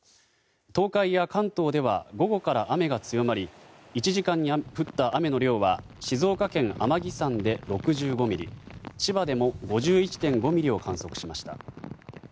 東海や関東では午後から雨が強まり１時間に降った雨の量は静岡県天城山で６５ミリ千葉でも５１．５ミリを観測しました。